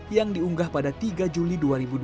yang diunggah pada tiga juli dua ribu dua puluh